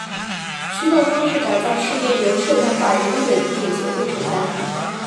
驱动方式改造试验由社团法人日本地铁协会承担。